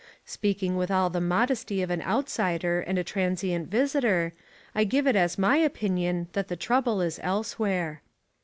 Speaking with all the modesty of an outsider and a transient visitor, I give it as my opinion that the trouble is elsewhere.